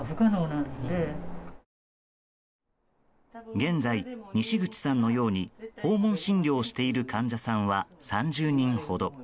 現在、西口さんのように訪問診療している患者さんは３０人ほど。